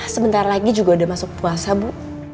sebentar lagi juga udah masuk puasa bu